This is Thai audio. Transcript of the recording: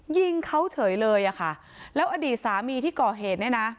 ยิงเขาเฉยเลยอะค่ะแล้วอดีตสามีที่ก่อเหตุเนี่ยนะ